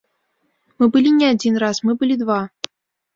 Мы былі не адзін раз, мы былі два.